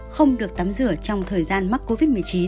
không được tắm rửa trong thời gian mắc covid một mươi chín